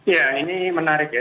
ya ini menarik ya